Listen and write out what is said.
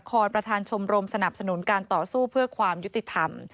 ประธานชมรมสนับสนุนการต่อสู้เพื่อความยุติธรรม